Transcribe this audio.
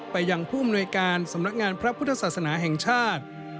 ไปยังผู้อำนวยการสำนักงานพระพุทธศาสนาแห่งชาติ